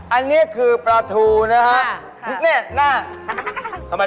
อันนี้ถูกสุด